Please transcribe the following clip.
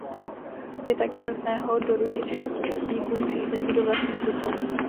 Je také nutné ho doručit všem účastníkům řízení do vlastních rukou.